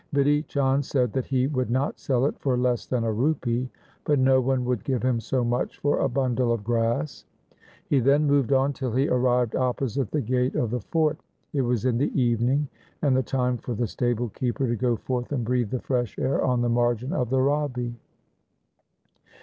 Bidhi Chand said that he would not sell it for less than a rupee, but no one would give him so much for a bundle of grass. He then moved on till he arrived opposite the gate of the fort. It was in the evening, and the time for the stable keeper to go forth and breathe the fresh air on the margin of the Ravi.